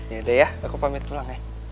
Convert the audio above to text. yaudah ya aku pamit pulang ya